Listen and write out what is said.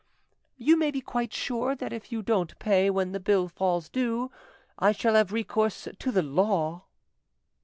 "You may be quite sure that if you don't pay when the bill falls due, I shall have recourse to the law."